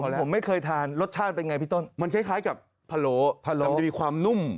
ผมไม่เคยทานรสชาติเป็นไงพี่ต้นมันคล้ายกับพะโลพะโลมันจะมีความนุ่ม